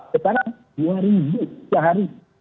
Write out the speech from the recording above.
sekarang dua ribu sehari